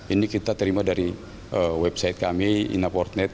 ini kita terima dari website kami inapurnet